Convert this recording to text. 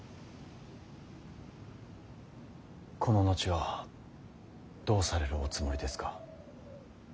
この後はどうされるおつもりですか。